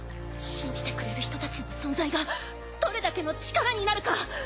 信じてくれる人たちの存在がどれだけの力になるか。